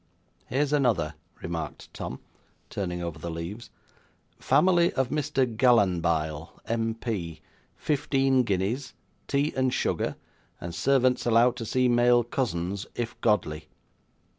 'Here's another,' remarked Tom, turning over the leaves. '"Family of Mr Gallanbile, MP. Fifteen guineas, tea and sugar, and servants allowed to see male cousins, if godly.